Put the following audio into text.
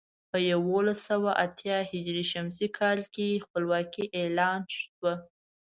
په یولس سوه اتيا ه ش کال کې خپلواکي اعلان شوه.